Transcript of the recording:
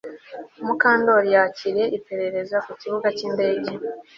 Mukandoli yakiriye iperereza ku kibuga cyindege